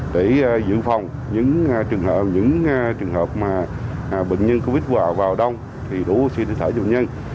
để giữ phòng những trường hợp bệnh nhân covid vào đông thì đủ oxy để thở cho bệnh nhân